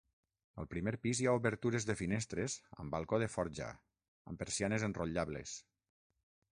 Al primer pis hi ha obertures de finestres amb balcó de forja, amb persianes enrotllables.